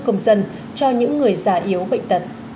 công dân cho những người già yếu bệnh tật